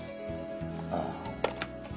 ああ。